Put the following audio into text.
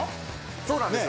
そうなんですよ。